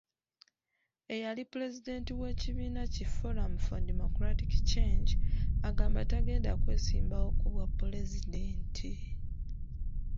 Eyali pulezidenti w’ekibiina ki Forum for Democratic Change, agamba tagenda kwesimbawo ku bwa Pulezidenti.